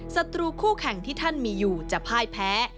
ศัตรูคู่แข่งที่ท่านมีอยู่จะพ่ายแพ้